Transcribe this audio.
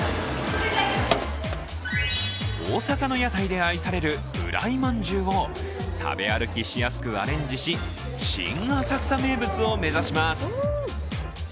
大阪の屋台で愛されるフライまんじゅうを食べ歩きしやすくアレンジし、新・浅草名物を目指します。